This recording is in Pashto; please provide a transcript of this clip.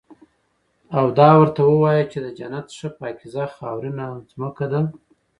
او دا ورته ووايه چې د جنت ښه پاکيزه خاورينه زمکه ده